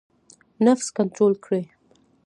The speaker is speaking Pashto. نفس کنټرول کړئ